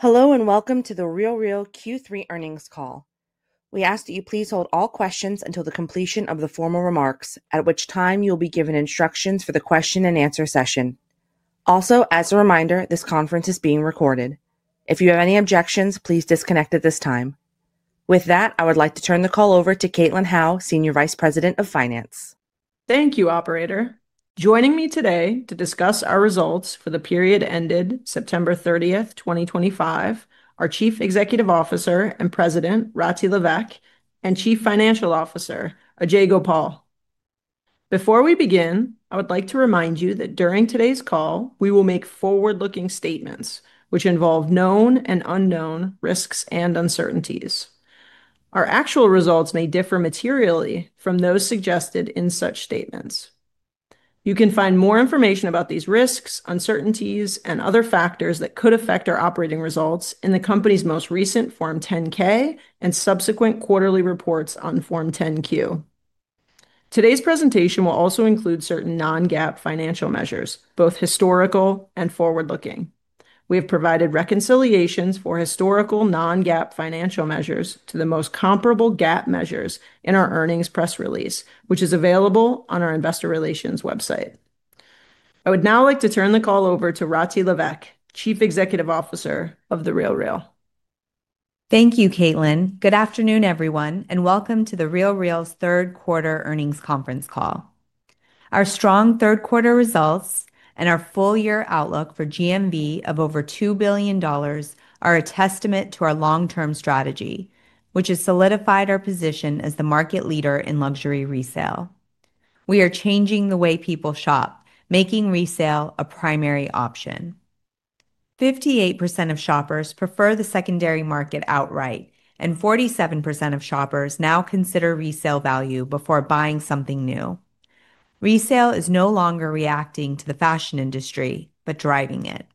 Hello and welcome to The RealReal Q3 earnings call. We ask that you please hold all questions until the completion of the formal remarks, at which time you'll be given instructions for the question-and-answer session. Also, as a reminder, this conference is being recorded. If you have any objections, please disconnect at this time. With that, I would like to turn the call over to Caitlin Howe, Senior Vice President of Finance. Thank you, Operator. Joining me today to discuss our results for the period ended September 30th, 2025, are Chief Executive Officer and President Rati Levesque and Chief Financial Officer Ajay Gopal. Before we begin, I would like to remind you that during today's call, we will make forward-looking statements which involve known and unknown risks and uncertainties. Our actual results may differ materially from those suggested in such statements. You can find more information about these risks, uncertainties, and other factors that could affect our operating results in the company's most recent Form 10-K and subsequent quarterly reports on Form 10-Q. Today's presentation will also include certain non-GAAP financial measures, both historical and forward-looking. We have provided reconciliations for historical non-GAAP financial measures to the most comparable GAAP measures in our earnings press release, which is available on our Investor Relations website. I would now like to turn the call over to Rati Levesque, Chief Executive Officer of The RealReal. Thank you, Caitlin. Good afternoon, everyone, and welcome to The RealReal's third quarter earnings conference call. Our strong third-quarter results and our full-year outlook for GMV of over $2 billion are a testament to our long-term strategy, which has solidified our position as the market leader in luxury resale. We are changing the way people shop, making resale a primary option. 58% of shoppers prefer the secondary market outright, and 47% of shoppers now consider resale value before buying something new. Resale is no longer reacting to the fashion industry but driving it.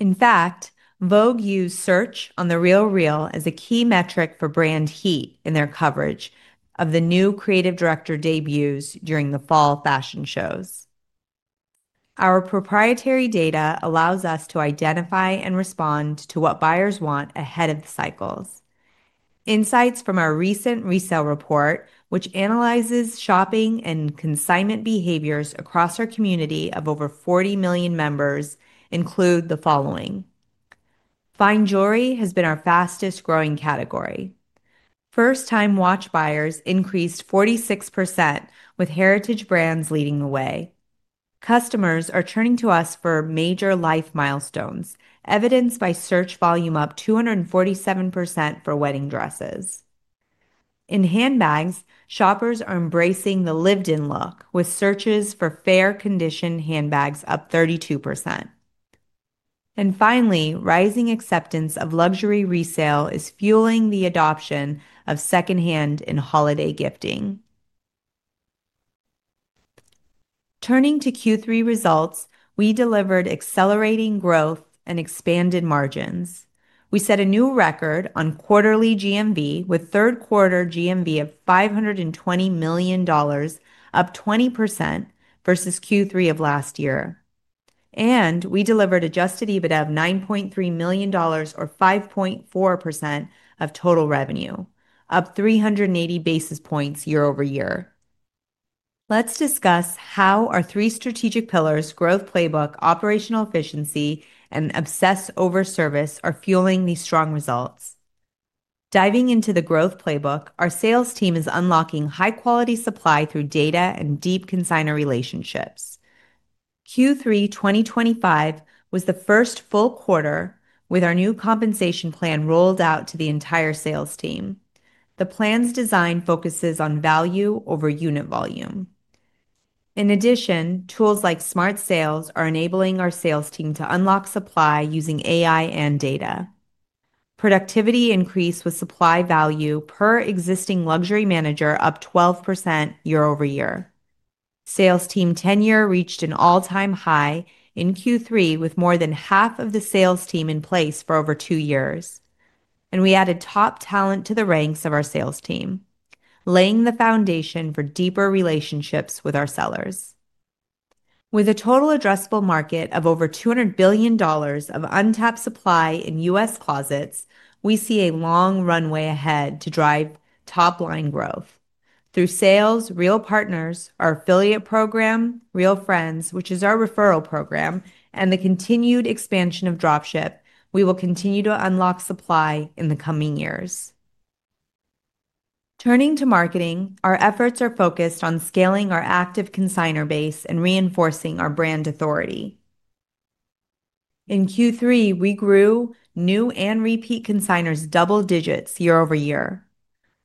In fact, Vogue used search on The RealReal as a key metric for brand heat in their coverage of the new creative director debuts during the fall fashion shows. Our proprietary data allows us to identify and respond to what buyers want ahead of the cycles. Insights from our recent resale report, which analyzes shopping and consignment behaviors across our community of over 40 million members, include the following: Fine jewelry has been our fastest-growing category. First-time watch buyers increased 46%, with heritage brands leading the way. Customers are turning to us for major life milestones, evidenced by search volume up 247% for wedding dresses. In handbags, shoppers are embracing the lived-in look, with searches for fair condition handbags up 32%. Finally, rising acceptance of luxury resale is fueling the adoption of secondhand and holiday gifting. Turning to Q3 results, we delivered accelerating growth and expanded margins. We set a new record on quarterly GMV, with third-quarter GMV of $520 million, up 20% versus Q3 of last year. We delivered Adjusted EBITDA of $9.3 million, or 5.4% of total revenue, up 380 basis points year-over-year. Let's discuss how our three strategic pillars, growth playbook, operational efficiency, and obsess over service, are fueling these strong results. Diving into the growth playbook, our sales team is unlocking high-quality supply through data and deep consignor relationships. Q3 2025 was the first full quarter with our new compensation plan rolled out to the entire sales team. The plan's design focuses on value over unit volume. In addition, tools like Smart Sales are enabling our sales team to unlock supply using AI and data. Productivity increased with supply value per existing luxury manager up 12% year-over-year. Sales team tenure reached an all-time high in Q3, with more than half of the sales team in place for over two years. We added top talent to the ranks of our sales team, laying the foundation for deeper relationships with our sellers. With a total addressable market of over $200 billion of untapped supply in U.S. closets, we see a long runway ahead to drive top-line growth. Through sales, Real Partners, our affiliate program, Real Friends, which is our referral program, and the continued expansion of dropship, we will continue to unlock supply in the coming years. Turning to marketing, our efforts are focused on scaling our active consignor base and reinforcing our brand authority. In Q3, we grew new and repeat consignors double digits year-over-year,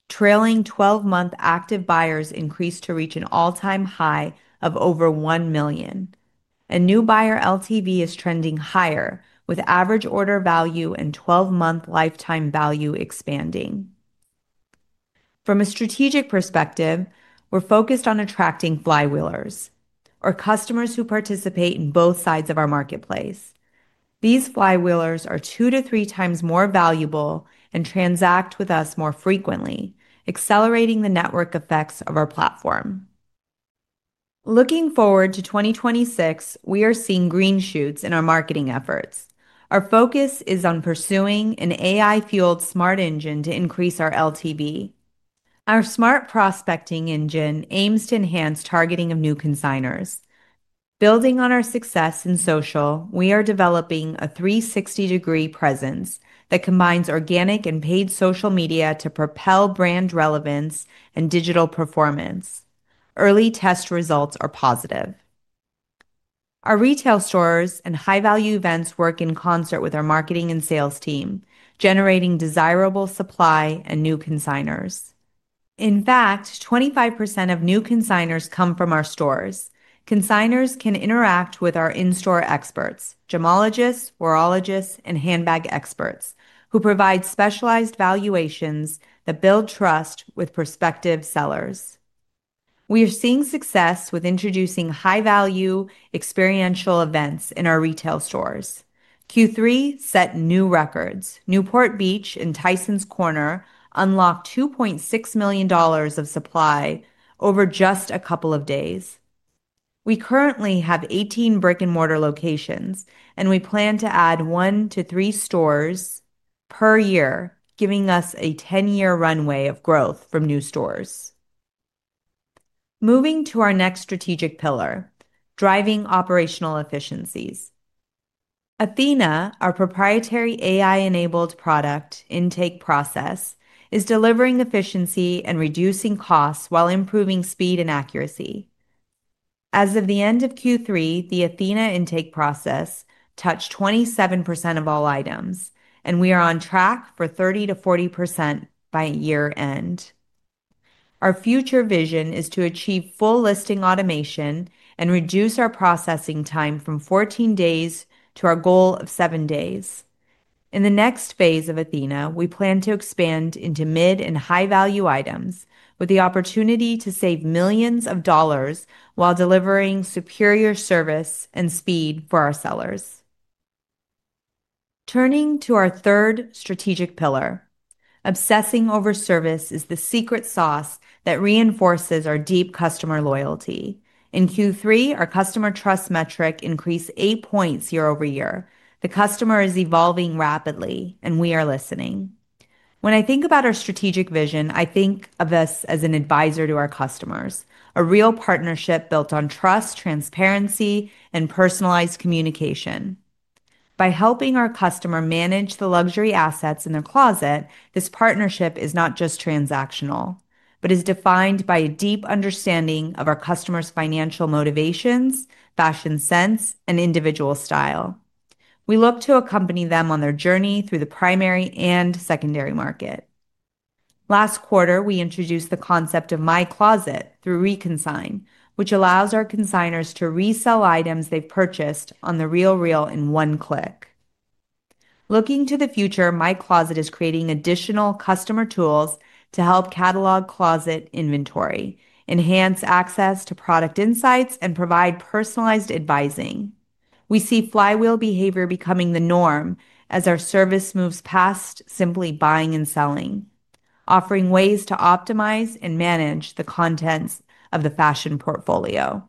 trailing 12-month active buyers increased to reach an all-time high of over 1 million. New buyer LTV is trending higher, with average order value and 12-month lifetime value expanding. From a strategic perspective, we're focused on attracting flywheelers, or customers who participate in both sides of our marketplace. These flywheelers are two to three times more valuable and transact with us more frequently, accelerating the network effects of our platform. Looking forward to 2026, we are seeing green shoots in our marketing efforts. Our focus is on pursuing an AI-fueled smart engine to increase our LTV. Our smart prospecting engine aims to enhance targeting of new consignors. Building on our success in social, we are developing a 360-degree presence that combines organic and paid social media to propel brand relevance and digital performance. Early test results are positive. Our retail stores and high-value events work in concert with our marketing and sales team, generating desirable supply and new consignors. In fact, 25% of new consignors come from our stores. Consignors can interact with our in-store experts: gemologists, horologists, and handbag experts, who provide specialized valuations that build trust with prospective sellers. We are seeing success with introducing high-value, experiential events in our retail stores. Q3 set new records. Newport Beach and Tysons Corner unlocked $2.6 million of supply over just a couple of days. We currently have 18 brick-and-mortar locations, and we plan to add one to three stores per year, giving us a 10-year runway of growth from new stores. Moving to our next strategic pillar, driving operational efficiencies. Athena, our proprietary AI-enabled product intake process, is delivering efficiency and reducing costs while improving speed and accuracy. As of the end of Q3, the Athena intake process touched 27% of all items, and we are on track for 30%-40% by year-end. Our future vision is to achieve full listing automation and reduce our processing time from 14 days to our goal of 7 days. In the next phase of Athena, we plan to expand into mid and high-value items, with the opportunity to save millions of dollars while delivering superior service and speed for our sellers. Turning to our third strategic pillar, obsessing over service is the secret sauce that reinforces our deep customer loyalty. In Q3, our customer trust metric increased 8 points year-over-year. The customer is evolving rapidly, and we are listening. When I think about our strategic vision, I think of us as an advisor to our customers, a real partnership built on trust, transparency, and personalized communication. By helping our customer manage the luxury assets in their closet, this partnership is not just transactional, but is defined by a deep understanding of our customer's financial motivations, fashion sense, and individual style. We look to accompany them on their journey through the primary and secondary market. Last quarter, we introduced the concept of My Closet through Reconsign, which allows our consignors to resell items they've purchased on The RealReal in one click. Looking to the future, My Closet is creating additional customer tools to help catalog closet inventory, enhance access to product insights, and provide personalized advising. We see flywheel behavior becoming the norm as our service moves past simply buying and selling, offering ways to optimize and manage the contents of the fashion portfolio.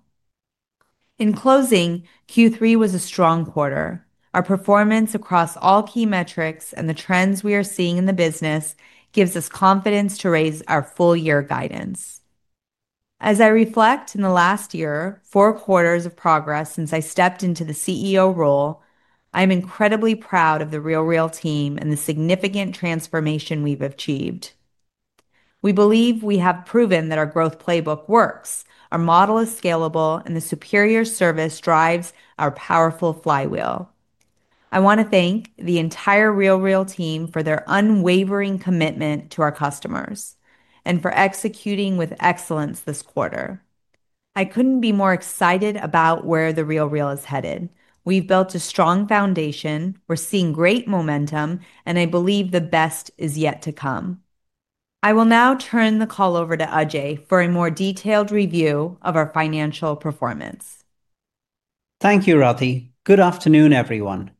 In closing, Q3 was a strong quarter. Our performance across all key metrics and the trends we are seeing in the business gives us confidence to raise our full-year guidance. As I reflect on the last year, four quarters of progress since I stepped into the CEO role, I am incredibly proud of The RealReal team and the significant transformation we've achieved. We believe we have proven that our growth playbook works, our model is scalable, and the superior service drives our powerful flywheel. I want to thank the entire RealReal team for their unwavering commitment to our customers and for executing with excellence this quarter. I couldn't be more excited about where The RealReal is headed. We've built a strong foundation, we're seeing great momentum, and I believe the best is yet to come. I will now turn the call over to Ajay for a more detailed review of our financial performance. Thank you, Rati. Good afternoon, everyone.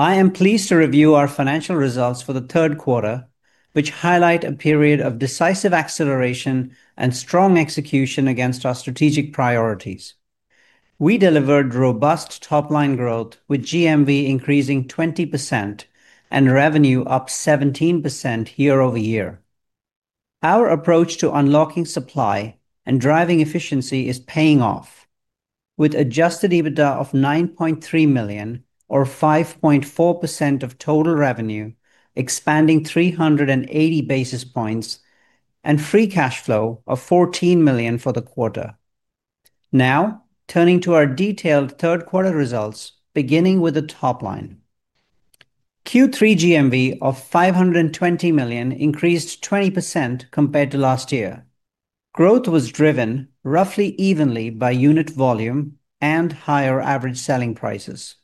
I am pleased to review our financial results for the third quarter, which highlight a period of decisive acceleration and strong execution against our strategic priorities. We delivered robust top-line growth, with GMV increasing 20% and revenue up 17% year-over-year. Our approach to unlocking supply and driving efficiency is paying off, with Adjusted EBITDA of $9.3 million, or 5.4% of total revenue, expanding 380 basis points and free cash flow of $14 million for the quarter. Now, turning to our detailed third-quarter results, beginning with the top line. Q3 GMV of $520 million increased 20% compared to last year. Growth was driven roughly evenly by unit volume and higher average selling prices.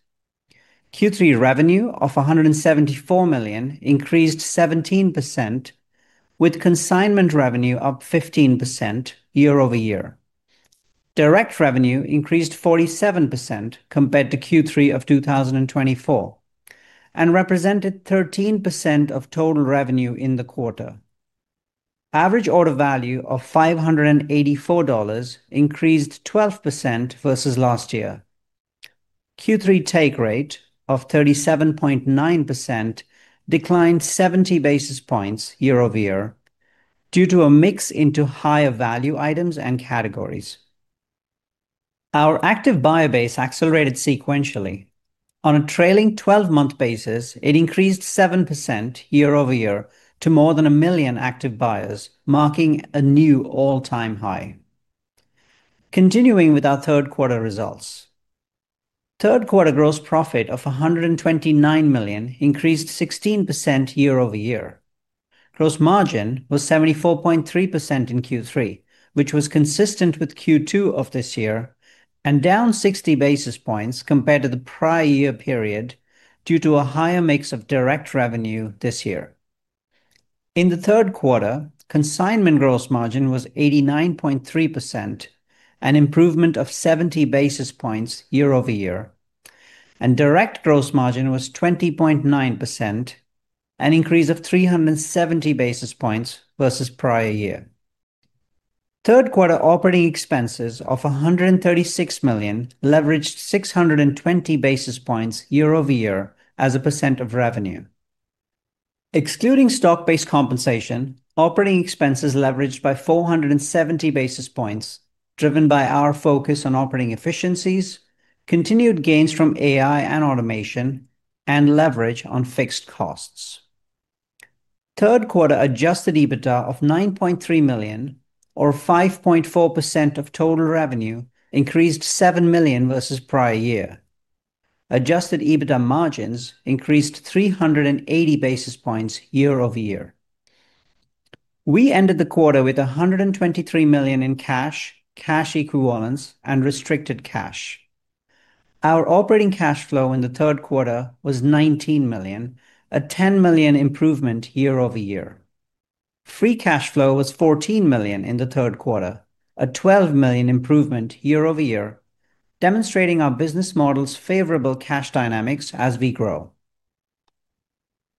Q3 revenue of $174 million increased 17%, with consignment revenue up 15% year-over-year. Direct revenue increased 47% compared to Q3 of 2024 and represented 13% of total revenue in the quarter. Average order value of $584 increased 12% versus last year. Q3 take rate of 37.9% declined 70 basis points year-over-year due to a mix into higher value items and categories. Our active buyer base accelerated sequentially. On a trailing 12-month basis, it increased 7% year-over-year to more than a million active buyers, marking a new all-time high. Continuing with our third-quarter results, third-quarter gross profit of $129 million increased 16% year-over-year. Gross margin was 74.3% in Q3, which was consistent with Q2 of this year and down 60 basis points compared to the prior year period due to a higher mix of direct revenue this year. In the third quarter, consignment gross margin was 89.3%, an improvement of 70 basis points year-over-year, and direct gross margin was 20.9%, an increase of 370 basis points versus prior year. Third-quarter operating expenses of $136 million leveraged 620 basis points year-over-year as a percent of revenue. Excluding stock-based compensation, operating expenses leveraged by 470 basis points, driven by our focus on operating efficiencies, continued gains from AI and automation, and leverage on fixed costs. Third-quarter Adjusted EBITDA of $9.3 million, or 5.4% of total revenue, increased $7 million versus prior year. Adjusted EBITDA margins increased 380 basis points year-over-year. We ended the quarter with $123 million in cash, cash equivalents, and restricted cash. Our operating cash flow in the third quarter was $19 million, a $10 million improvement year-over-year. Free cash flow was $14 million in the third quarter, a $12 million improvement year-over-year, demonstrating our business model's favorable cash dynamics as we grow.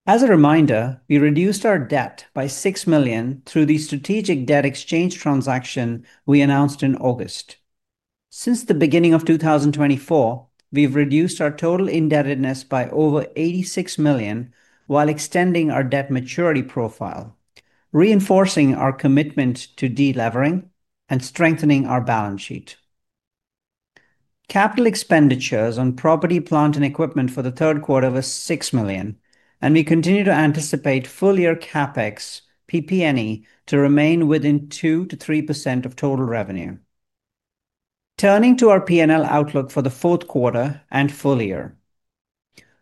As a reminder, we reduced our debt by $6 million through the strategic debt exchange transaction we announced in August. Since the beginning of 2024, we've reduced our total indebtedness by over $86 million while extending our debt maturity profile, reinforcing our commitment to delevering and strengthening our balance sheet. Capital expenditures on property, plant, and equipment for the third quarter were $6 million, and we continue to anticipate full-year CapEx, PP&E, to remain within 2%-3% of total revenue. Turning to our P&L outlook for the fourth quarter and full year,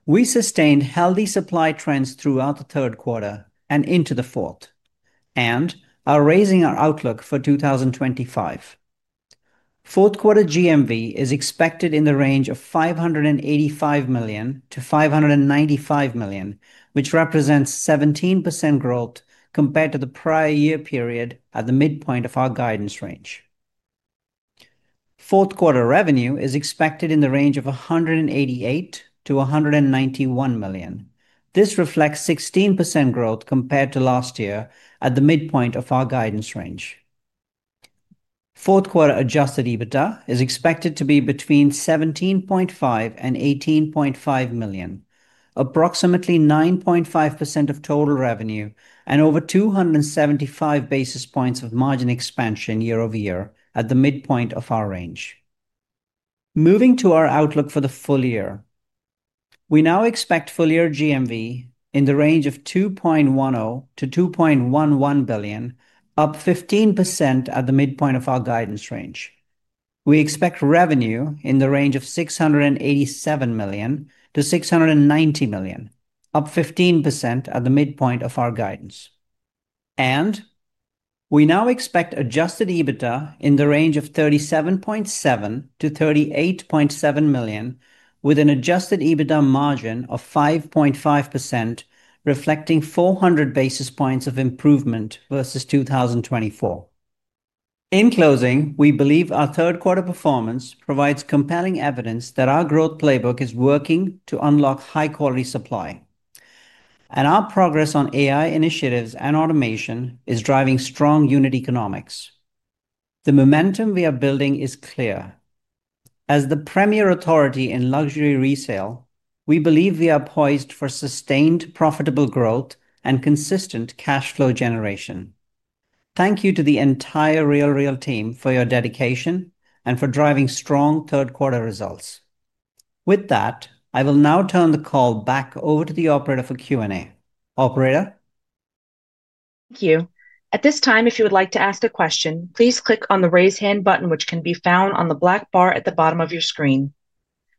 we sustained healthy supply trends throughout the third quarter and into the fourth, and are raising our outlook for 2025. Fourth-quarter GMV is expected in the range of $585 million-$595 million, which represents 17% growth compared to the prior year period at the midpoint of our guidance range. Fourth-quarter revenue is expected in the range of $188 million-$191 million. This reflects 16% growth compared to last year at the midpoint of our guidance range. Fourth-quarter Adjusted EBITDA is expected to be between $17.5 million and $18.5 million, approximately 9.5% of total revenue, and over 275 basis points of margin expansion year-over-year at the midpoint of our range. Moving to our outlook for the full year, we now expect full-year GMV in the range of $2.10 billion-$2.11 billion, up 15% at the midpoint of our guidance range. We expect revenue in the range of $687 million-$690 million, up 15% at the midpoint of our guidance. We now expect Adjusted EBITDA in the range of $37.7 million-$38.7 million, with an Adjusted EBITDA margin of 5.5%, reflecting 400 basis points of improvement versus 2024. In closing, we believe our third-quarter performance provides compelling evidence that our growth playbook is working to unlock high-quality supply, and our progress on AI initiatives and automation is driving strong unit economics. The momentum we are building is clear. As the premier authority in luxury resale, we believe we are poised for sustained profitable growth and consistent cash flow generation. Thank you to the entire RealReal team for your dedication and for driving strong third-quarter results. With that, I will now turn the call back over to the operator for Q&A. Operator. Thank you. At this time, if you would like to ask a question, please click on the raise hand button, which can be found on the black bar at the bottom of your screen.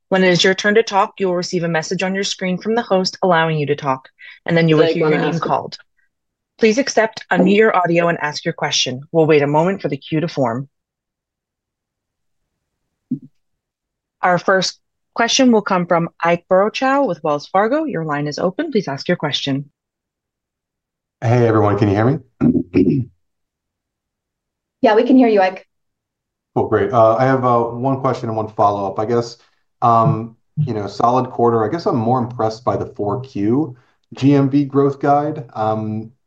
When it is your turn to talk, you will receive a message on your screen from the host allowing you to talk, and then you will hear your name called. Please accept, unmute your audio, and ask your question. We'll wait a moment for the queue to form. Our first question will come from Ike Boruchow with Wells Fargo. Your line is open. Please ask your question. Hey, everyone. Can you hear me? Yeah, we can hear you, Ike. Cool. Great. I have one question and one follow-up, I guess. You know, solid quarter. I guess I'm more impressed by the Q4 GMV growth guide.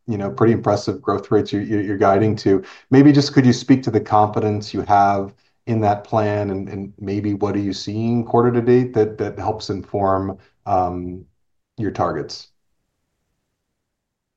You know, pretty impressive growth rates you're guiding to. Maybe just could you speak to the confidence you have in that plan, and maybe what are you seeing quarter to date that helps inform your targets?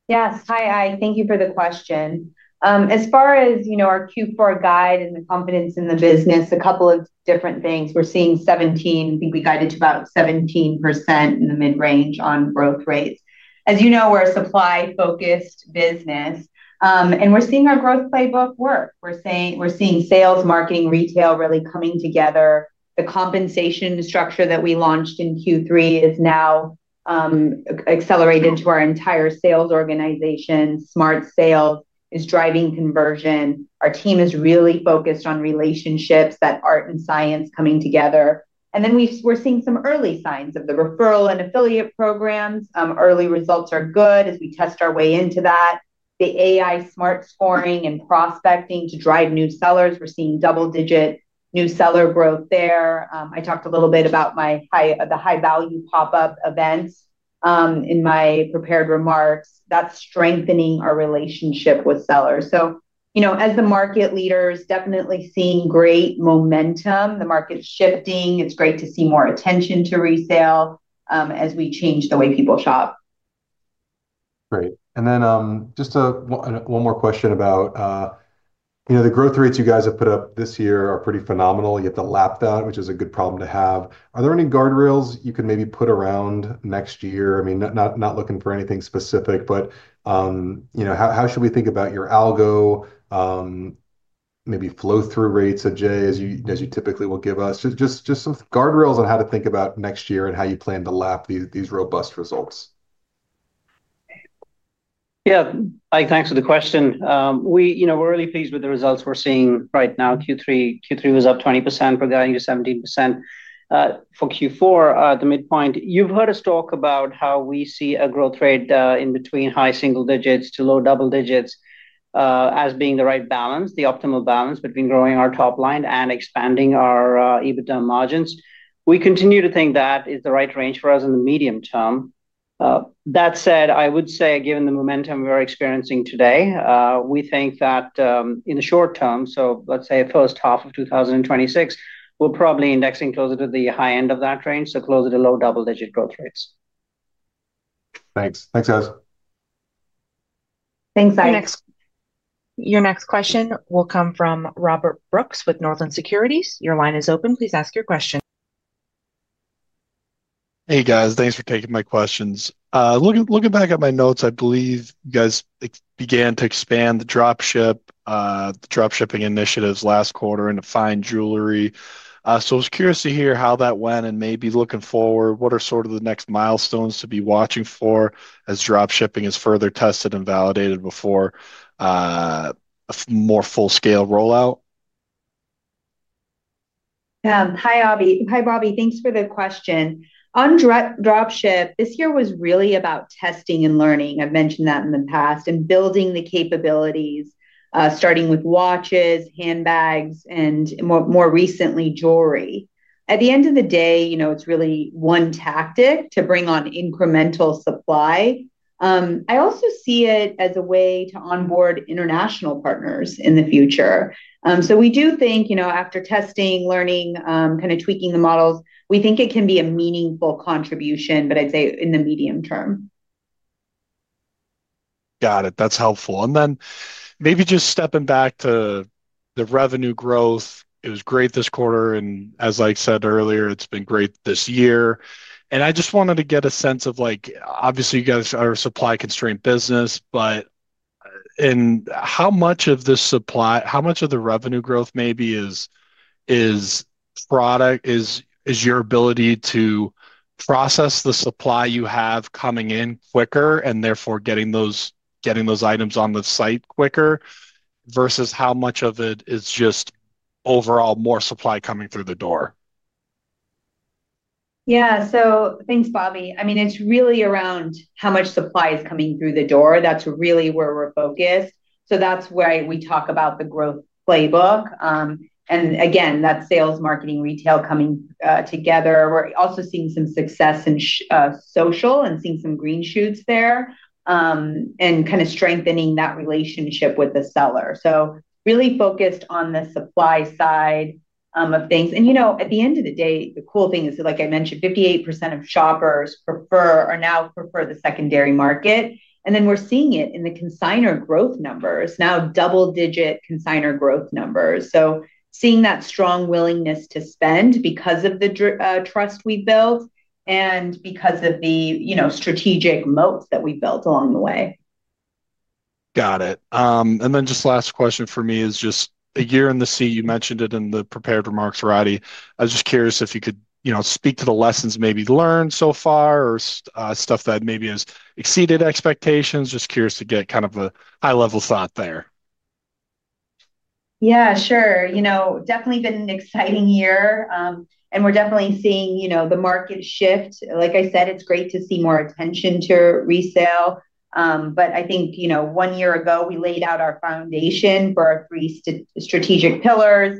Yes. Hi, Ike. Thank you for the question. As far as, you know, our Q4 guide and the confidence in the business, a couple of different things. We're seeing 17. I think we guided to about 17% in the mid-range on growth rates. As you know, we're a supply-focused business, and we're seeing our growth playbook work. We're seeing sales, marketing, retail really coming together. The compensation structure that we launched in Q3 is now accelerated to our entire sales organization. Smart Sales is driving conversion. Our team is really focused on relationships, that art and science coming together. Then we're seeing some early signs of the referral and affiliate programs. Early results are good as we test our way into that. The AI smart scoring and prospecting to drive new sellers, we're seeing double-digit new seller growth there. I talked a little bit about the high-value pop-up events in my prepared remarks. That is strengthening our relationship with sellers. You know, as the market leaders, definitely seeing great momentum. The market's shifting. It's great to see more attention to resale as we change the way people shop. Great. And then just one more question about, you know, the growth rates you guys have put up this year are pretty phenomenal. You have the lapdown, which is a good problem to have. Are there any guardrails you can maybe put around next year? I mean, not looking for anything specific, but, you know, how should we think about your algo, maybe flow-through rates of Ajay, as you typically will give us? Just some guardrails on how to think about next year and how you plan to lap these robust results. Yeah. Ike, thanks for the question. We, you know, we're really pleased with the results we're seeing right now. Q3 was up 20%, we're guiding to 17%. For Q4, the midpoint, you've heard us talk about how we see a growth rate in between high single digits to low double digits as being the right balance, the optimal balance between growing our top line and expanding our EBITDA margins. We continue to think that is the right range for us in the medium term. That said, I would say, given the momentum we're experiencing today, we think that in the short term, so let's say the first half of 2026, we're probably indexing closer to the high end of that range, so closer to low double-digit growth rates. Thanks. Thanks, guys. Thanks, Ike. Your next question will come from Robert Brooks with Northland Securities. Your line is open. Please ask your question. Hey, guys. Thanks for taking my questions. Looking back at my notes, I believe you guys began to expand the dropship initiatives last quarter into fine jewelry. I was curious to hear how that went and maybe looking forward, what are sort of the next milestones to be watching for as dropship is further tested and validated before a more full-scale rollout? Yeah. Hi, Bobby. Thanks for the question. On dropship, this year was really about testing and learning. I've mentioned that in the past and building the capabilities, starting with watches, handbags, and more recently, jewelry. At the end of the day, you know, it's really one tactic to bring on incremental supply. I also see it as a way to onboard international partners in the future. We do think, you know, after testing, learning, kind of tweaking the models, we think it can be a meaningful contribution, but I'd say in the medium term. Got it. That's helpful. Maybe just stepping back to the revenue growth, it was great this quarter, and as Ike said earlier, it's been great this year. I just wanted to get a sense of, like, obviously you guys are a supply-constrained business, but how much of the supply, how much of the revenue growth maybe is product, is your ability to process the supply you have coming in quicker and therefore getting those items on the site quicker versus how much of it is just overall more supply coming through the door? Yeah. Thanks, Bobby. I mean, it's really around how much supply is coming through the door. That's really where we're focused. That's why we talk about the growth playbook. Again, that sales, marketing, retail coming together. We're also seeing some success in social and seeing some green shoots there and kind of strengthening that relationship with the seller. Really focused on the supply side of things. You know, at the end of the day, the cool thing is, like I mentioned, 58% of shoppers now prefer the secondary market. We're seeing it in the consignor growth numbers, now double-digit consignor growth numbers. Seeing that strong willingness to spend because of the trust we built and because of the, you know, strategic moats that we built along the way. Got it. And then just last question for me is just a year in the seat. You mentioned it in the prepared remarks, right. I was just curious if you could, you know, speak to the lessons maybe learned so far or stuff that maybe has exceeded expectations. Just curious to get kind of a high-level thought there. Yeah, sure. You know, definitely been an exciting year, and we're definitely seeing, you know, the market shift. Like I said, it's great to see more attention to resale. I think, you know, one year ago, we laid out our foundation for our three strategic pillars: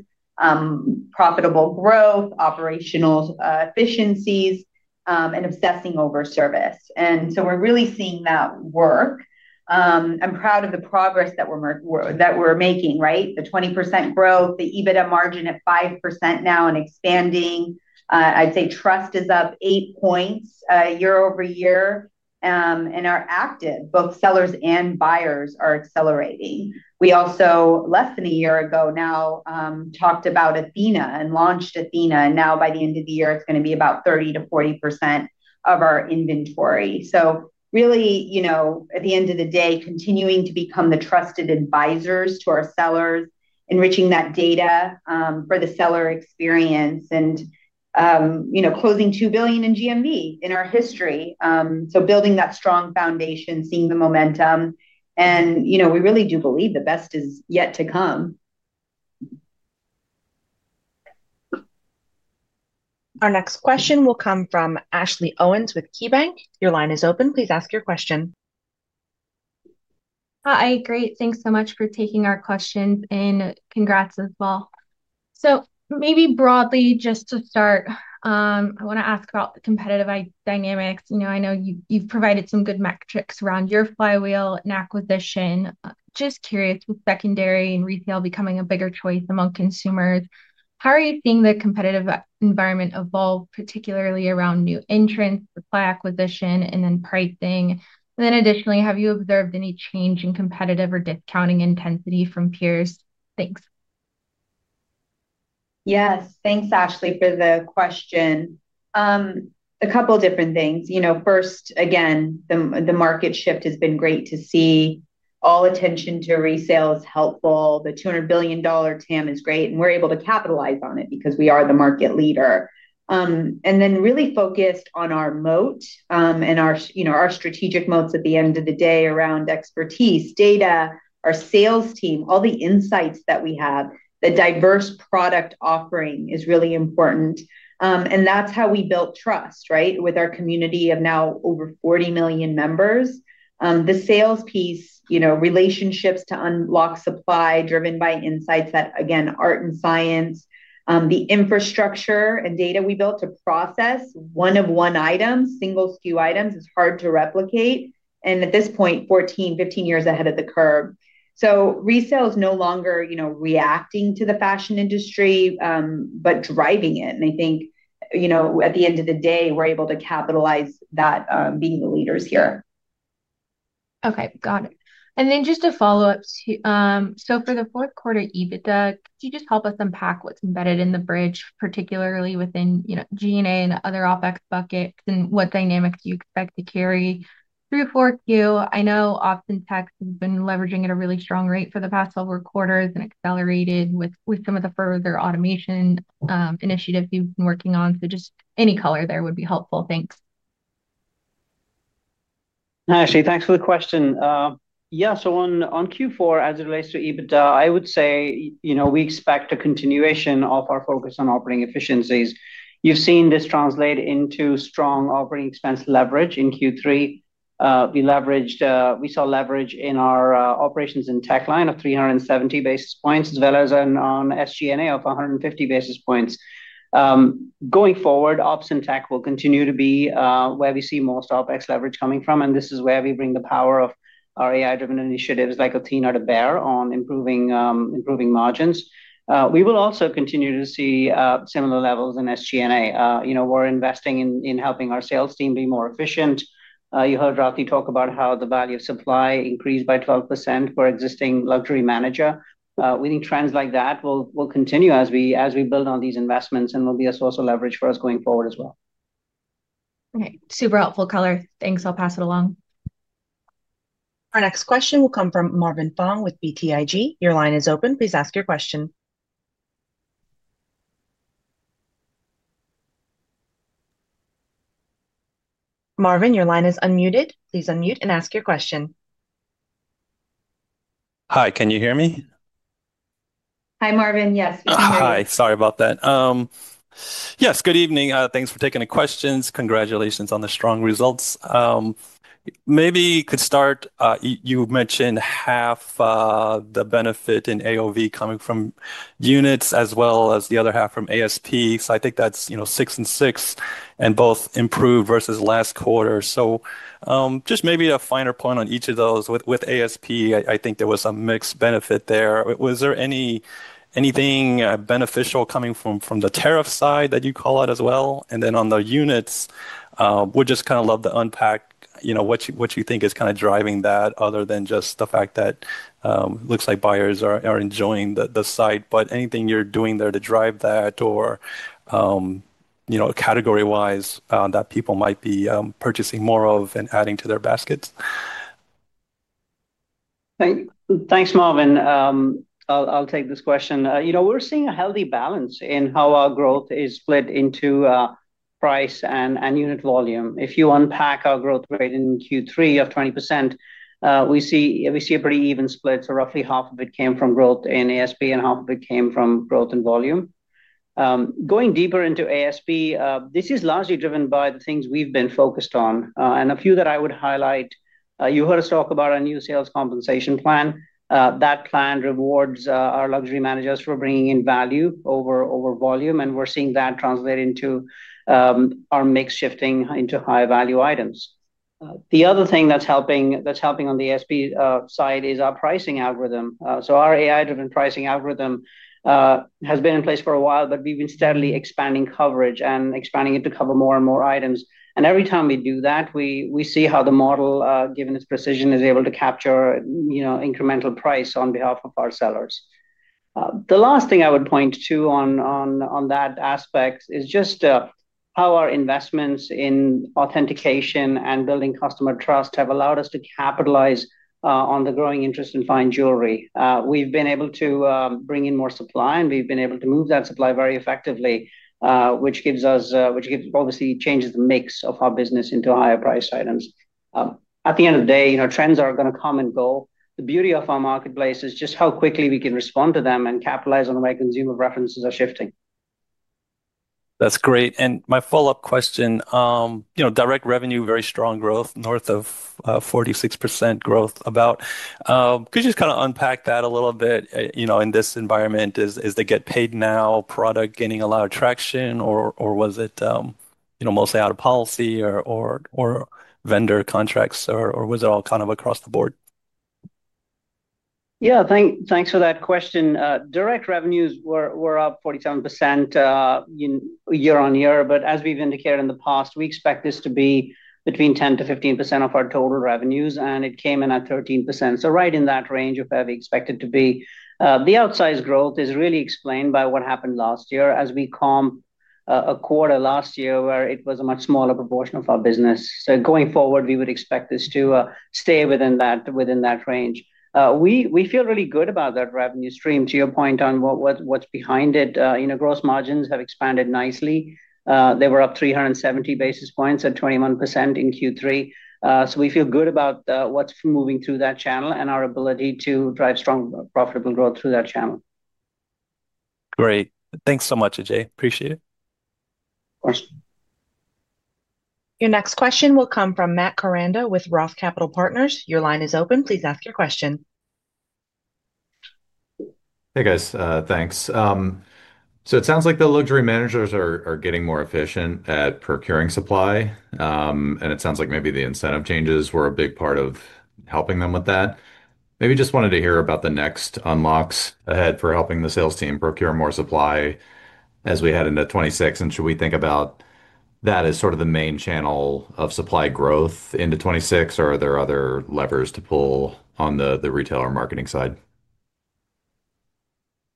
profitable growth, operational efficiencies, and obsessing over service. We are really seeing that work. I'm proud of the progress that we're making, right? The 20% growth, the EBITDA margin at 5% now and expanding. I'd say trust is up eight points year-over-year. Our active, both sellers and buyers, are accelerating. We also, less than a year ago now, talked about Athena and launched Athena. Now, by the end of the year, it's going to be about 30%-40% of our inventory. Really, you know, at the end of the day, continuing to become the trusted advisors to our sellers, enriching that data for the seller experience, and, you know, closing $2 billion in GMV in our history. Building that strong foundation, seeing the momentum. You know, we really do believe the best is yet to come. Our next question will come from Ashley Owens with KeyBanc. Your line is open. Please ask your question. Hi, Ike. Great. Thanks so much for taking our question, and congrats as well. Maybe broadly, just to start, I want to ask about the competitive dynamics. You know, I know you've provided some good metrics around your flywheel and acquisition. Just curious, with secondary and retail becoming a bigger choice among consumers, how are you seeing the competitive environment evolve, particularly around new entrants, supply acquisition, and then pricing? Additionally, have you observed any change in competitive or discounting intensity from peers? Thanks. Yes. Thanks, Ashley, for the question. A couple of different things. You know, first, again, the market shift has been great to see. All attention to resale is helpful. The $200 billion TAM is great, and we're able to capitalize on it because we are the market leader. Really focused on our moat and our strategic moats at the end of the day around expertise, data, our sales team, all the insights that we have, the diverse product offering is really important. That's how we built trust, right, with our community of now over 40 million members. The sales piece, you know, relationships to unlock supply driven by insights that, again, art and science, the infrastructure and data we built to process one-of-one items, single SKU items is hard to replicate. At this point, 14, 15 years ahead of the curve. Resale is no longer, you know, reacting to the fashion industry, but driving it. I think, you know, at the end of the day, we're able to capitalize on that, being the leaders here. Okay. Got it. Just to follow up, for the fourth quarter EBITDA, could you help us unpack what's embedded in the bridge, particularly within, you know, G&A and other OpEx buckets and what dynamics you expect to carry through fourth quarter? I know Ops and Tech have been leveraging at a really strong rate for the past several quarters and accelerated with some of the further automation initiatives you've been working on. Just any color there would be helpful. Thanks. Hi, Ashley. Thanks for the question. Yeah. So on Q4, as it relates to EBITDA, I would say, you know, we expect a continuation of our focus on operating efficiencies. You've seen this translate into strong operating expense leverage in Q3. We leveraged, we saw leverage in our operations and tech line of 370 basis points, as well as on SG&A of 150 basis points. Going forward, Ops and Tech will continue to be where we see most OpEx leverage coming from, and this is where we bring the power of our AI-driven initiatives like Athena to bear on improving margins. We will also continue to see similar levels in SG&A. You know, we're investing in helping our sales team be more efficient. You heard Rati talk about how the value of supply increased by 12% for existing luxury manager. We think trends like that will continue as we build on these investments, and will be a source of leverage for us going forward as well. Okay. Super helpful color. Thanks. I'll pass it along. Our next question will come from Marvin Fong with BTIG. Your line is open. Please ask your question. Marvin, your line is unmuted. Please unmute and ask your question. Hi. Can you hear me? Hi, Marvin. Yes. Hi. Sorry about that. Yes. Good evening. Thanks for taking the questions. Congratulations on the strong results. Maybe could start, you mentioned half the benefit in AOV coming from units as well as the other half from ASP. I think that's, you know, six and six and both improved versus last quarter. Just maybe a finer point on each of those. With ASP, I think there was a mixed benefit there. Was there anything beneficial coming from the tariff side that you call out as well? On the units, we'd just kind of love to unpack, you know, what you think is kind of driving that other than just the fact that it looks like buyers are enjoying the site. Anything you're doing there to drive that or, you know, category-wise that people might be purchasing more of and adding to their baskets? Thanks, Marvin. I'll take this question. You know, we're seeing a healthy balance in how our growth is split into price and unit volume. If you unpack our growth rate in Q3 of 20%, we see a pretty even split. So roughly half of it came from growth in ASP and half of it came from growth in volume. Going deeper into ASP, this is largely driven by the things we've been focused on and a few that I would highlight. You heard us talk about our new sales compensation plan. That plan rewards our luxury managers for bringing in value over volume, and we're seeing that translate into our mix shifting into high-value items. The other thing that's helping on the ASP side is our pricing algorithm. Our AI-driven pricing algorithm has been in place for a while, but we've been steadily expanding coverage and expanding it to cover more and more items. Every time we do that, we see how the model, given its precision, is able to capture, you know, incremental price on behalf of our sellers. The last thing I would point to on that aspect is just how our investments in authentication and building customer trust have allowed us to capitalize on the growing interest in fine jewelry. We've been able to bring in more supply, and we've been able to move that supply very effectively, which gives us, which obviously changes the mix of our business into higher-priced items. At the end of the day, you know, trends are going to come and go. The beauty of our marketplace is just how quickly we can respond to them and capitalize on the way consumer preferences are shifting. That's great. And my follow-up question, you know, direct revenue, very strong growth, north of 46% growth. Could you just kind of unpack that a little bit, you know, in this environment? Is the Get Paid Now product gaining a lot of traction, or was it, you know, mostly out of policy or vendor contracts, or was it all kind of across the board? Yeah. Thanks for that question. Direct revenues were up 47% year-on-year, but as we've indicated in the past, we expect this to be between 10%-15% of our total revenues, and it came in at 13%. Right in that range of where we expect it to be. The outsized growth is really explained by what happened last year as we calmed a quarter last year where it was a much smaller proportion of our business. Going forward, we would expect this to stay within that range. We feel really good about that revenue stream, to your point on what's behind it. You know, gross margins have expanded nicely. They were up 370 basis points at 21% in Q3. We feel good about what's moving through that channel and our ability to drive strong profitable growth through that channel. Great. Thanks so much, Ajay. Appreciate it. Your next question will come from Matt Koranda with Roth Capital Partners. Your line is open. Please ask your question. Hey, guys. Thanks. It sounds like the luxury managers are getting more efficient at procuring supply, and it sounds like maybe the incentive changes were a big part of helping them with that. Maybe just wanted to hear about the next unlocks ahead for helping the sales team procure more supply as we head into 2026. Should we think about that as sort of the main channel of supply growth into 2026, or are there other levers to pull on the retail or marketing side?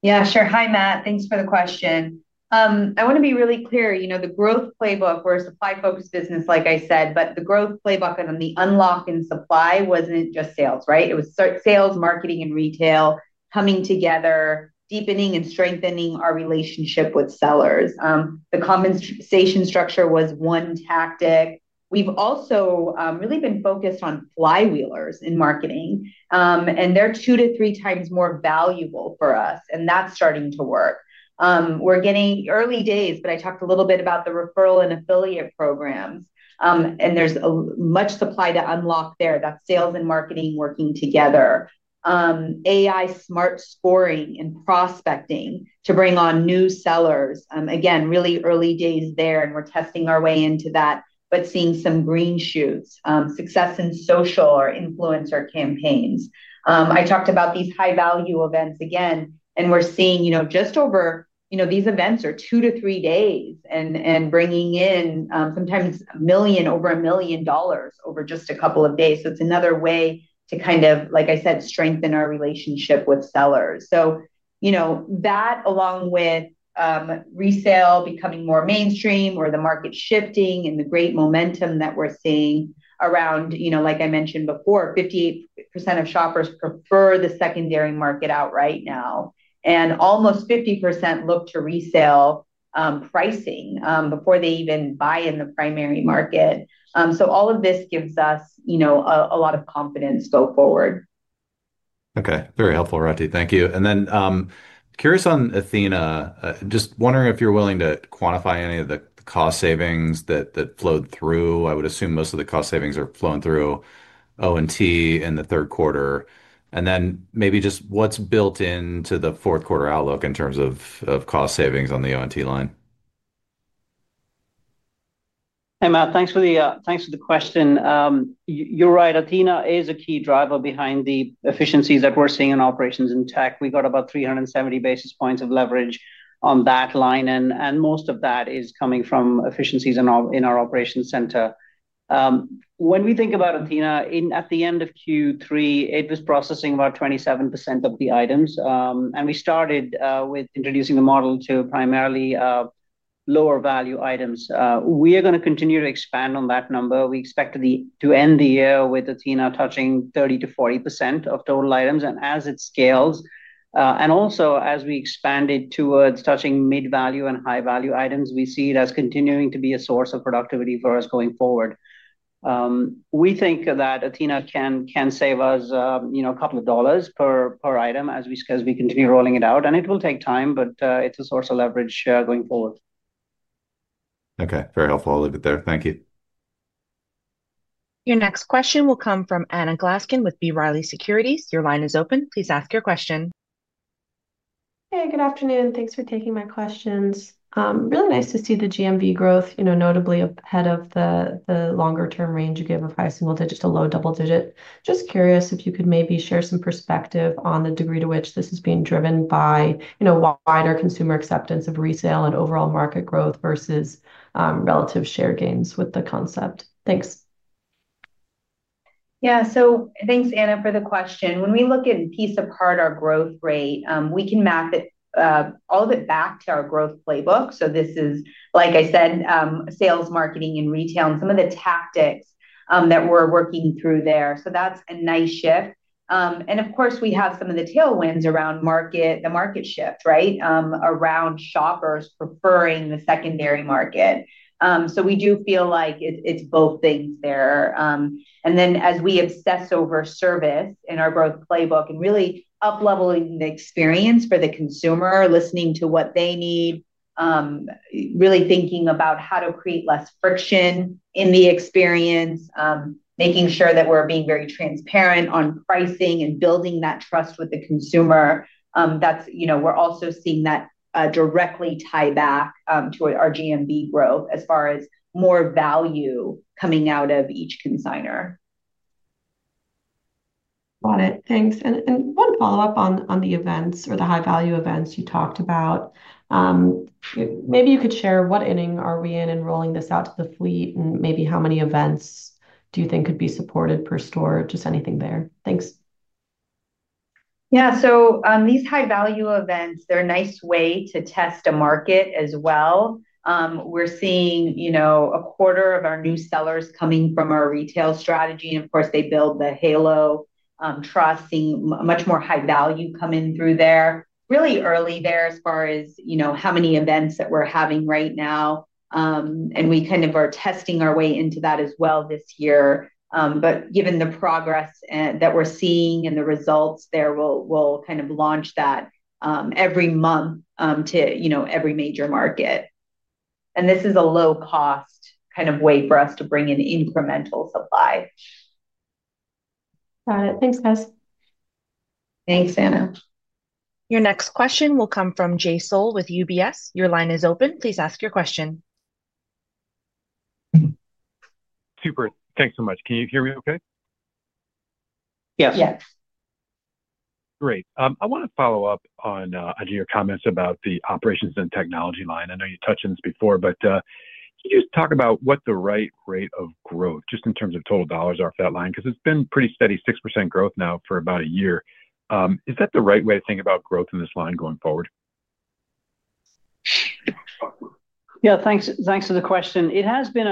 Yeah, sure. Hi, Matt. Thanks for the question. I want to be really clear. You know, the growth playbook was a supply-focused business, like I said, but the growth playbook and the unlock in supply was not just sales, right? It was sales, marketing, and retail coming together, deepening and strengthening our relationship with sellers. The compensation structure was one tactic. We have also really been focused on flywheelers in marketing, and they are two to three times more valuable for us, and that is starting to work. We are getting early days, but I talked a little bit about the referral and affiliate programs, and there is much supply to unlock there. That is sales and marketing working together, AI smart scoring and prospecting to bring on new sellers. Again, really early days there, and we are testing our way into that, but seeing some green shoots, success in social or influencer campaigns. I talked about these high-value events again, and we're seeing, you know, just over, you know, these events are two to three days and bringing in sometimes $1 million, over $1 million over just a couple of days. It is another way to kind of, like I said, strengthen our relationship with sellers. You know, that along with resale becoming more mainstream or the market shifting and the great momentum that we're seeing around, you know, like I mentioned before, 58% of shoppers prefer the secondary market out right now, and almost 50% look to resale pricing before they even buy in the primary market. All of this gives us, you know, a lot of confidence going forward. Okay. Very helpful, Rati. Thank you. Curious on Athena, just wondering if you're willing to quantify any of the cost savings that flowed through. I would assume most of the cost savings are flowing through O&T in the third quarter. Maybe just what's built into the fourth quarter outlook in terms of cost savings on the O&T line? Hey, Matt. Thanks for the question. You're right. Athena is a key driver behind the efficiencies that we're seeing in operations and tech. We got about 370 basis points of leverage on that line, and most of that is coming from efficiencies in our operations center. When we think about Athena, at the end of Q3, it was processing about 27% of the items, and we started with introducing the model to primarily lower-value items. We are going to continue to expand on that number. We expect to end the year with Athena touching 30%-40% of total items as it scales. Also, as we expanded towards touching mid-value and high-value items, we see it as continuing to be a source of productivity for us going forward. We think that Athena can save us, you know, a couple of dollars per item as we continue rolling it out, and it will take time, but it's a source of leverage going forward. Okay. Very helpful. I'll leave it there. Thank you. Your next question will come from Anna Glaessgen with B. Riley Securities. Your line is open. Please ask your question. Hey, good afternoon. Thanks for taking my questions. Really nice to see the GMV growth, you know, notably ahead of the longer-term range you give of high single digit to low double digit. Just curious if you could maybe share some perspective on the degree to which this is being driven by, you know, wider consumer acceptance of resale and overall market growth versus relative share gains with the concept. Thanks. Yeah. Thanks, Anna, for the question. When we look and piece apart our growth rate, we can map all of it back to our growth playbook. This is, like I said, sales, marketing, and retail, and some of the tactics that we're working through there. That's a nice shift. Of course, we have some of the tailwinds around the market shift, right, around shoppers preferring the secondary market. We do feel like it's both things there. As we obsess over service in our growth playbook and really up-leveling the experience for the consumer, listening to what they need, really thinking about how to create less friction in the experience, making sure that we're being very transparent on pricing and building that trust with the consumer, that's, you know, we're also seeing that directly tie back to our GMV growth as far as more value coming out of each consignor. Got it. Thanks. One follow-up on the events or the high-value events you talked about. Maybe you could share what inning are we in enrolling this out to the fleet and maybe how many events do you think could be supported per store, just anything there. Thanks. Yeah. So these high-value events, they're a nice way to test a market as well. We're seeing, you know, a quarter of our new sellers coming from our retail strategy. And of course, they build the Halo trust, seeing much more high value coming through there. Really early there as far as, you know, how many events that we're having right now. We kind of are testing our way into that as well this year. Given the progress that we're seeing and the results there, we'll kind of launch that every month to, you know, every major market. This is a low-cost kind of way for us to bring in incremental supply. Got it. Thanks, guys. Thanks, Anna. Your next question will come from Jay Sole with UBS. Your line is open. Please ask your question. Super. Thanks so much. Can you hear me okay? Yes. Yes. Great. I want to follow up on your comments about the operations and technology line. I know you touched on this before, but can you just talk about what the right rate of growth, just in terms of total dollars off that line, because it's been pretty steady, 6% growth now for about a year. Is that the right way to think about growth in this line going forward? Yeah. Thanks for the question. It has been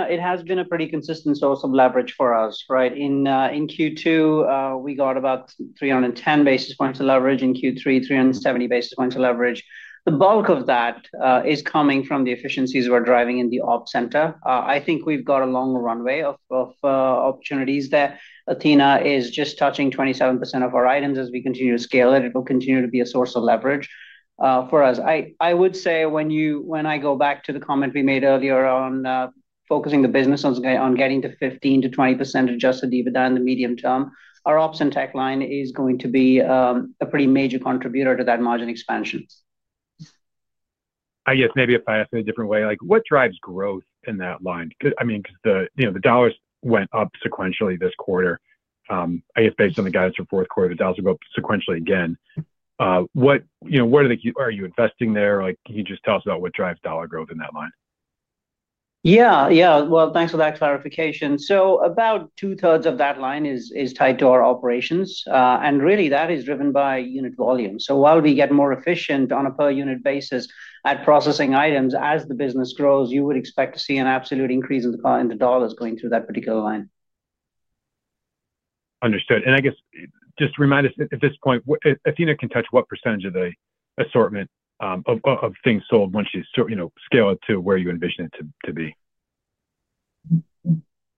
a pretty consistent source of leverage for us, right? In Q2, we got about 310 basis points of leverage. In Q3, 370 basis points of leverage. The bulk of that is coming from the efficiencies we're driving in the op center. I think we've got a long runway of opportunities there. Athena is just touching 27% of our items. As we continue to scale it, it will continue to be a source of leverage for us. I would say when I go back to the comment we made earlier on focusing the business on getting to 15%-20% adjusted dividend in the medium term, our ops and tech line is going to be a pretty major contributor to that margin expansion. I guess maybe if I ask it a different way, like, what drives growth in that line? I mean, because the dollars went up sequentially this quarter, I guess based on the guidance for fourth quarter, the dollars went up sequentially again. What are you investing there? Can you just tell us about what drives dollar growth in that line? Yeah. Yeah. Thanks for that clarification. About two-thirds of that line is tied to our operations, and really that is driven by unit volume. While we get more efficient on a per-unit basis at processing items, as the business grows, you would expect to see an absolute increase in the dollars going through that particular line. Understood. I guess just remind us at this point, Athena can touch what percentage of the assortment of things sold once you scale it to where you envision it to be?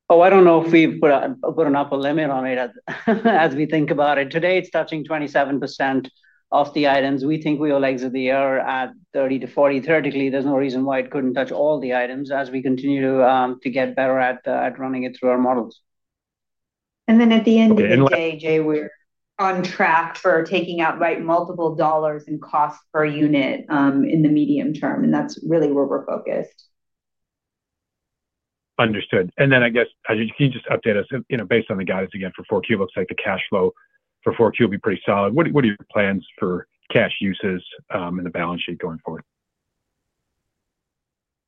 Oh, I don't know if we've put an upper limit on it as we think about it. Today, it's touching 27% of the items. We think we will exit the year at 30%-40%. Theoretically, there's no reason why it couldn't touch all the items as we continue to get better at running it through our models. At the end of the day, Jay, we're on track for taking out multiple dollars in cost per unit in the medium term, and that's really where we're focused. Understood. I guess, can you just update us, you know, based on the guidance again for Q4, it looks like the cash flow for Q4 will be pretty solid. What are your plans for cash uses in the balance sheet going forward?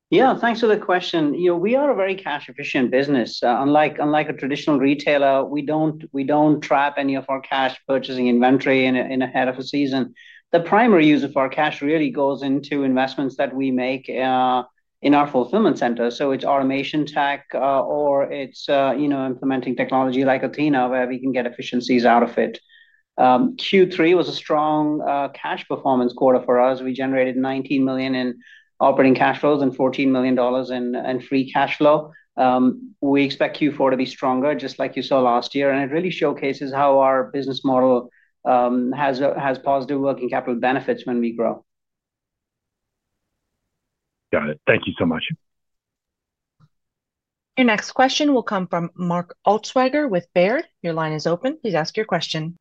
Yeah. Thanks for the question. You know, we are a very cash-efficient business. Unlike a traditional retailer, we do not trap any of our cash purchasing inventory in ahead of a season. The primary use of our cash really goes into investments that we make in our fulfillment center. So it is automation tech or it is, you know, implementing technology like Athena where we can get efficiencies out of it. Q3 was a strong cash performance quarter for us. We generated $19 million in operating cash flows and $14 million in free cash flow. We expect Q4 to be stronger, just like you saw last year, and it really showcases how our business model has positive working capital benefits when we grow. Got it. Thank you so much. Your next question will come from Mark Altschwager with Baird. Your line is open. Please ask your question.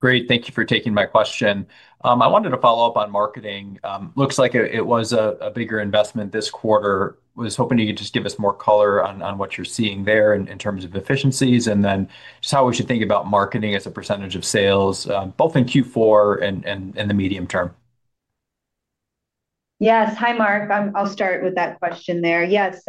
Great. Thank you for taking my question. I wanted to follow up on marketing. Looks like it was a bigger investment this quarter. I was hoping you could just give us more color on what you're seeing there in terms of efficiencies and then just how we should think about marketing as a percentage of sales, both in Q4 and in the medium term. Yes. Hi, Mark. I'll start with that question there. Yes.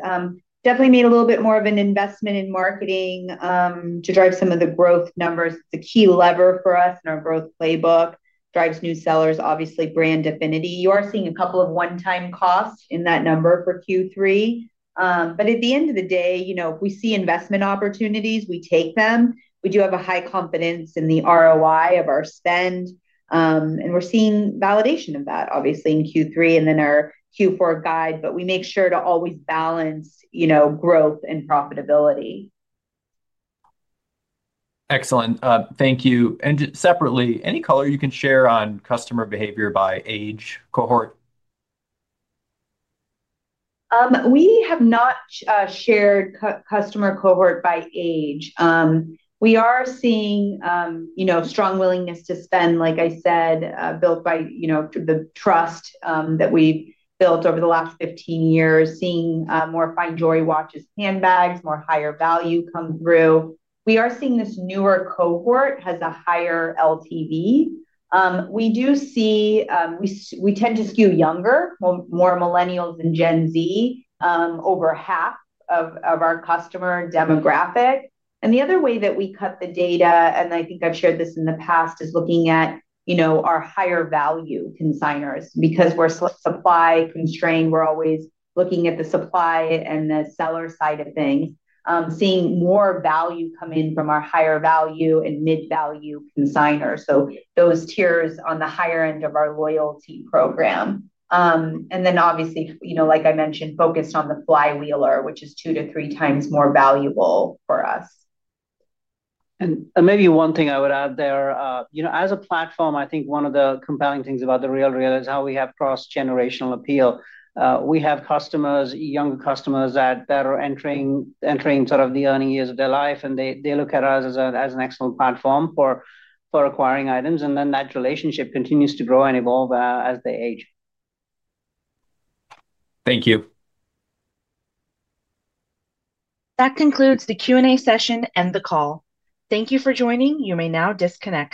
Definitely made a little bit more of an investment in marketing to drive some of the growth numbers. It's a key lever for us in our growth playbook. Drives new sellers, obviously, brand affinity. You are seeing a couple of one-time costs in that number for Q3. At the end of the day, you know, if we see investment opportunities, we take them. We do have a high confidence in the ROI of our spend, and we're seeing validation of that, obviously, in Q3 and in our Q4 guide, but we make sure to always balance, you know, growth and profitability. Excellent. Thank you. Separately, any color you can share on customer behavior by age cohort? We have not shared customer cohort by age. We are seeing, you know, strong willingness to spend, like I said, built by, you know, the trust that we have built over the last 15 years, seeing more fine jewelry, watches, handbags, more higher value come through. We are seeing this newer cohort has a higher LTV. We do see we tend to skew younger, more Millennials and Gen Z, over half of our customer demographic. The other way that we cut the data, and I think I have shared this in the past, is looking at, you know, our higher value consignors because we are supply constrained. We are always looking at the supply and the seller side of things, seeing more value come in from our higher value and mid-value consignors. Those tiers are on the higher end of our loyalty program. Obviously, you know, like I mentioned, focused on the flywheeler, which is two to three times more valuable for us. Maybe one thing I would add there, you know, as a platform, I think one of the compelling things about The RealReal is how we have cross-generational appeal. We have customers, younger customers that are entering sort of the early years of their life, and they look at us as an excellent platform for acquiring items, and then that relationship continues to grow and evolve as they age. Thank you. That concludes the Q&A session and the call. Thank you for joining. You may now disconnect.